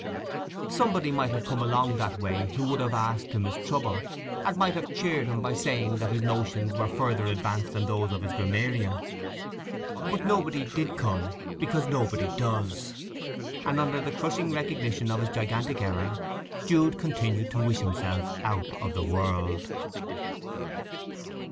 Somebody might have come along that way who would have asked him his trouble, and might have cheered him by saying that his notions were further advanced than those of his grammarian. But nobody did come, because nobody does; and under the crushing recognition of his gigantic error Jude continued to wish himself out of the world.